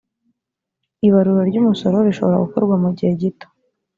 ibarura ry’umusoro rishobora gukorwa mu gihe gito